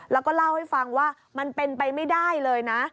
แล้วก็เล่าให้ฟังว่ามันเป็นไปไม่ได้เลยนะ